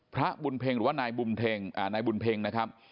พระบุญเพงศ์หรือว่านายบุญเพงศ์นายบุญเพงศ์นะครับ